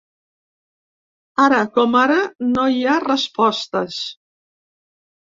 Ara com ara no hi ha respostes.